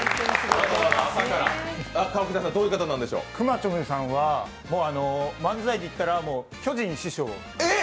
くまちょむさんは、漫才で言ったら巨人師匠。